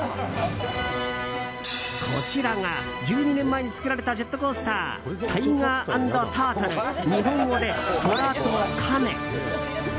こちらが、１２年前に作られたジェットコースタータイガー＆タートル日本語でトラとカメ。